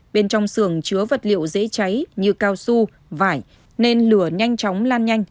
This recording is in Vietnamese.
bên trong sườn chứa vật liệu dễ cháy như cao su vải nên lửa nhanh chóng lan nhanh